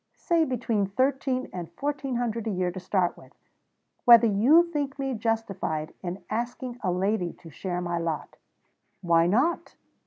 say between thirteen and fourteen hundred a year to start with whether you think me justified in asking a lady to share my lot?' 'Why not?